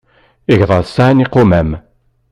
Igḍaḍ sɛan iqumam.